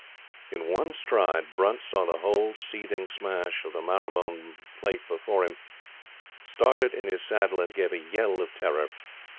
In one stride, Brunt saw the whole seething smash of the Maribyrnong Plate before him, started in his saddle and gave a yell of terror.